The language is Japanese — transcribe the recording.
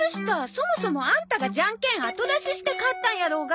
そもそもアンタがジャンケン後出しして勝ったんやろうが！